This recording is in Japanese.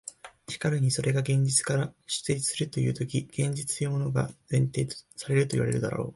しかるにそれが現実から出立するというとき、現実というものが前提されるといわれるであろう。